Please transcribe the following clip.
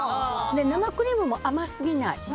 生クリームも甘すぎない。